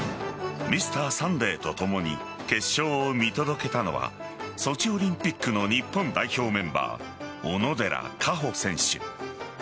「Ｍｒ．サンデー」とともに決勝を見届けたのはソチオリンピックの日本代表メンバー小野寺佳歩選手。